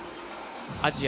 アジア